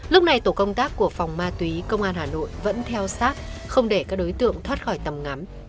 lúc này tổ công tác của phòng ma túy công an hà nội vẫn theo sát không để các đối tượng thoát khỏi tầm ngắm